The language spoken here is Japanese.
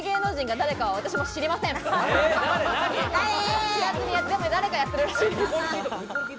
誰かやってるらしいです。